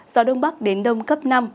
gió đông bắc đến đông cấp năm